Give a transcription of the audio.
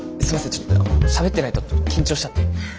ちょっとしゃべってないと緊張しちゃって。